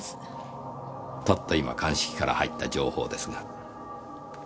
たった今鑑識から入った情報ですが。